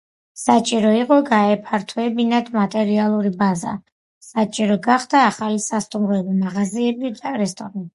საჭირო იყო გაეფართოებინათ მატერიალური ბაზა: საჭირო გახდა ახალი სასტუმროები, მაღაზიები, რესტორნები.